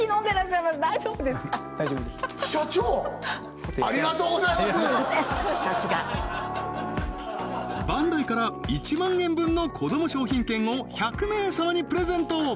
さすがバンダイから１万円分のこども商品券を１００名様にプレゼント